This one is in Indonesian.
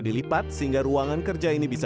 dilipat sehingga ruangan kerja ini bisa